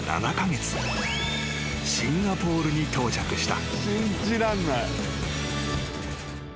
［シンガポールに到着した］